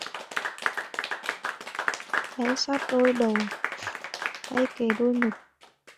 Hãy sát đôi đầu, hãy kề đôi ngực!